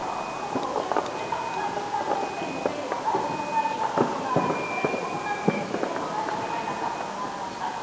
そもそも中国でアフガニスタン情勢についての外相会議が行われて、これに伴って中ロの外相会談が行われました。